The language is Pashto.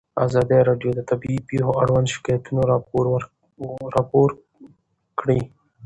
ازادي راډیو د طبیعي پېښې اړوند شکایتونه راپور کړي.